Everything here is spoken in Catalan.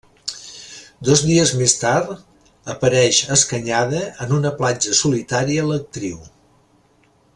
Dos dies més tard apareix escanyada en una platja solitària l'actriu.